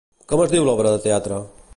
Com es diu l'obra de teatre?